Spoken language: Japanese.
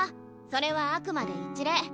それはあくまで一例。